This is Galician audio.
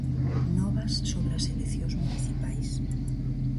Novas sobre as eleccións municipais.